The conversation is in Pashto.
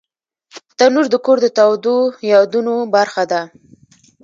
تنور د کور د تودو یادونو برخه ده